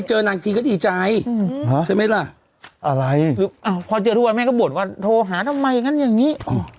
ใช่ไหมล่ะอะไรอ๋อพอเจอทุกวันแม่งก็บ่นว่าโทรหาทำไมงั้นยังงี้อ๋อ